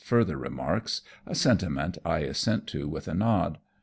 go," Nealance further remarks, a sentiment I assent to with a nod.